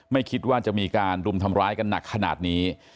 ไม่คิดว่าจะมีการรุมทำร้ายกันหนักขนาดนี้